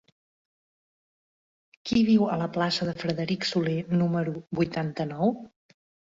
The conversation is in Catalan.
Qui viu a la plaça de Frederic Soler número vuitanta-nou?